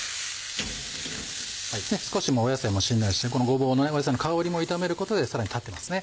少し野菜もしんなりしてごぼうの野菜の香りも炒めることでさらに立ってます。